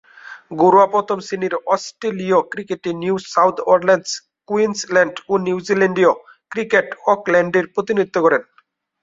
ঘরোয়া প্রথম-শ্রেণীর অস্ট্রেলীয় ক্রিকেটে নিউ সাউথ ওয়েলস, কুইন্সল্যান্ড ও নিউজিল্যান্ডীয় ক্রিকেটে অকল্যান্ডের প্রতিনিধিত্ব করেছেন।